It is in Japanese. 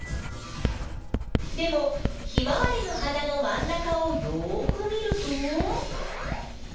でもヒマワリの花の真ん中をよく見ると。